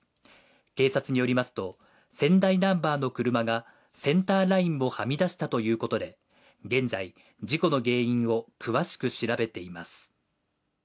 警察によりますと、仙台ナンバーの車がセンターラインをはみ出したということで現在事故の原因を詳しく調べています。